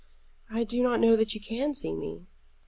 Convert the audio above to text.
"I do not know that you can see me."